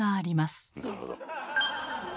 なるほど。